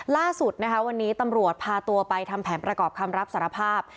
ล่าสุดนะคะวันนี้ตำรวจพาตัวไปทำแผนประกอบคำรับสารภาพ